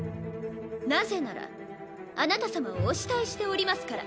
なぜならあなた様をお慕いしておりますから。